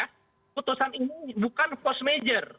keputusan ini bukan force major